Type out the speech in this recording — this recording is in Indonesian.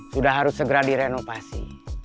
sudah harus segera direnovasi